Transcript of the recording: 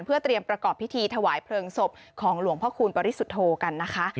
เพื่อเตรียมประกอบพิธีถวายเพลิงศพของหลวงพ่อคูณปริสุทธโธกันนะคะ